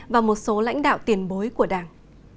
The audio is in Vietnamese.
và một số lãnh đạo tiền bối của đảng